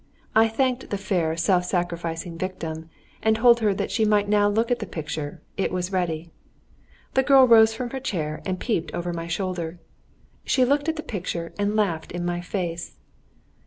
I thanked the fair self sacrificing victim, and told her that she might now look at the picture; it was ready. The girl rose from her chair and peeped over my shoulder. She looked at the picture and laughed in my face.